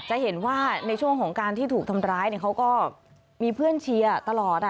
จะเห็นว่าในช่วงของการที่ถูกทำร้ายเขาก็มีเพื่อนเชียร์ตลอด